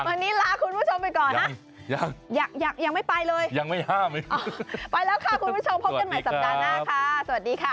วันนี้ลาคุณผู้ชมไปก่อนนะยังยังไม่ไปเลยยังไม่ห้ามเลยไปแล้วค่ะคุณผู้ชมพบกันใหม่สัปดาห์หน้าค่ะสวัสดีค่ะ